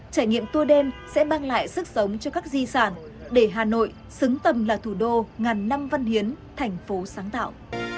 trải nghiệm tour đêm sẽ mang lại sức sống cho các di sản để hà nội xứng tầm là thủ đô ngàn năm văn hiến thành phố sáng tạo